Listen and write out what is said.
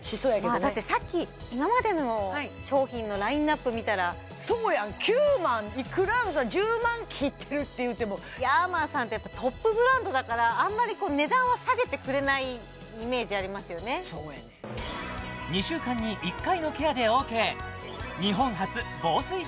まあだってさっき今までの商品のラインナップ見たらそうやん９万いくら１０万切ってるっていうてもヤーマンさんってやっぱトップブランドだからあんまり値段は下げてくれないイメージありますよねのところえっ半額以下！